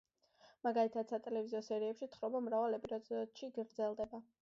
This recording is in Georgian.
მაგალითად, სატელევიზიო სერიალებში თხრობა მრავალ ეპიზოდში გრძელდება.